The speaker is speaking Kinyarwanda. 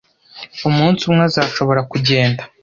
Umunsi umwe uzashobora kugenda.